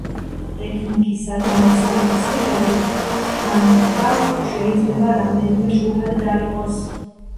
ტექნიკისა და მასალების მიხედვით თანგკა შეიძლება რამდენიმე ჯგუფად დაიყოს.